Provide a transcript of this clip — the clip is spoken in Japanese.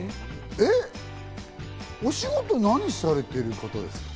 お仕事、何されてる方ですか？